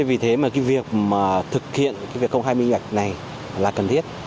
vì thế mà việc thực hiện công hai mỹ ngạch này là cần thiết